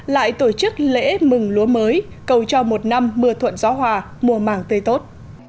lại tổ chức lễ mừng lúa mới cầu cho một năm mưa thuận gió hòa mùa màng tươi tốt